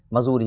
mặc dù thì